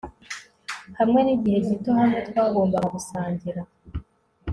hamwe nigihe gito hamwe twagombaga gusangira